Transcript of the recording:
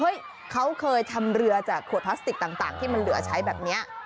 เขาเคยทำเรือจากขวดพลาสติกต่างที่มันเหลือใช้แบบนี้